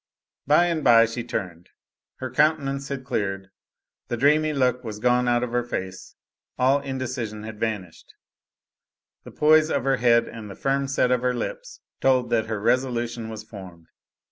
By and by she turned; her countenance had cleared; the dreamy look was gone out of her face, all indecision had vanished; the poise of her head and the firm set of her lips told that her resolution was formed.